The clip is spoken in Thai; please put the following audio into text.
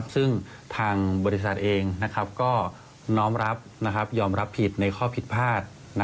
ซึ่งทางบริษัทเองก็ยอมรับยอมรับผิดในข้อผิดพลาด